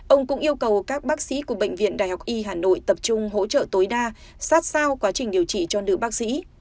ông cũng yêu cầu các bác sĩ của bệnh viện đại học y hà nội tập trung hỗ trợ tối đa sát sao quá trình điều trị cho nữ bác sĩ